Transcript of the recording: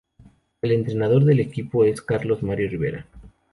El entrenador del equipo es Carlos Mario Rivera.